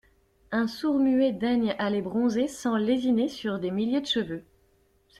Un sourd-muet daigne aller bronzer sans lésiner sur des milliers de cheveux.